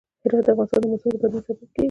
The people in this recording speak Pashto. هرات د افغانستان د موسم د بدلون سبب کېږي.